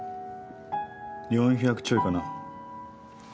４００ちょいかな。